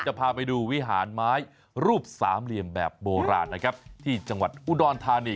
จะพาไปดูวิหารไม้รูปสามเหลี่ยมแบบโบราณนะครับที่จังหวัดอุดรธานี